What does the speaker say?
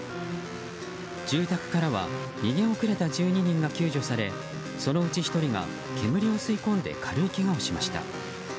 住宅からは逃げ遅れた１２人が救助されそのうち１人が煙を吸い込んで軽いけがをしました。